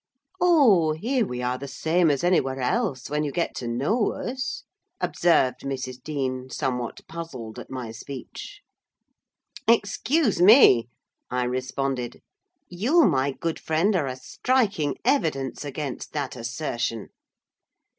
"Oh! here we are the same as anywhere else, when you get to know us," observed Mrs. Dean, somewhat puzzled at my speech. "Excuse me," I responded; "you, my good friend, are a striking evidence against that assertion.